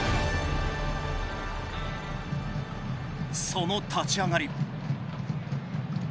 その立ち上がり。